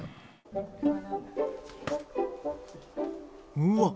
うわっ！